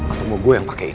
atau mau gue yang pakein